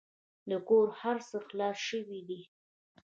د کور خرڅ خلاص شوی دی.